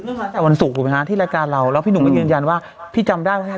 อืมแต่วันศุกร์ผมนะฮะที่รายการเราแล้วพี่หนุ่มมันเยือนยันว่าพี่จำได้ว่า